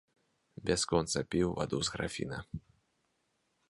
Бясконца піў ваду з графіна.